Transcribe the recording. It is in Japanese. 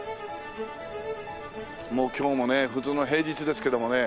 もう今日もね普通の平日ですけどもね